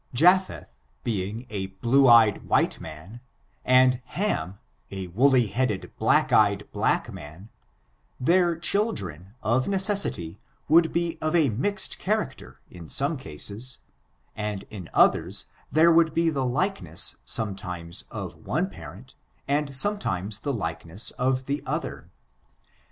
Japheth being a blue eyed white man, and Ham a woolly headed, black eyed black man, their cAt/ dren, of necessity, would be of a mixed character in some cases, and in others there would be the likeness sometimes of one parent, and sometimes the likeness of the other.